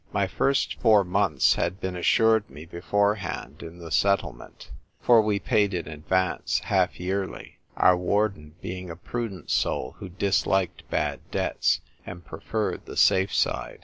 My first four months had been assured ine beforehand in the Settlement ; for we paid in advance, half yearly, our Warden being a prudent soul who disliked bad debts, and preferred the safe side.